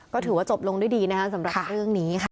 ก็ถือว่าจบลงด้วยดีนะคะสำหรับเรื่องนี้ค่ะ